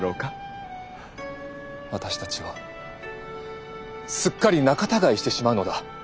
私たちはすっかり仲たがいしてしまうのだ。